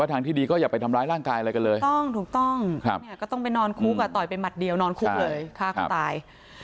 ทางที่ดีก็อย่าไปทำร้ายร่างกายอะไรกันเลยถูกต้องถูกต้องก็ต้องไปนอนคุกต่อยไปหมัดเดียวนอนคุกเลยฆ่าคนตาย